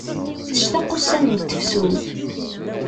Tectaq ussan n tefsut.